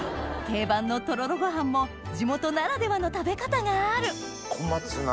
定番のとろろご飯も地元ならではの食べ方がある小松菜。